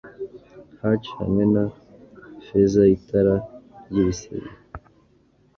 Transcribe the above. Hatchd hamwe na fezaitara ryibisimba